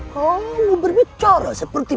kamu berbicara seperti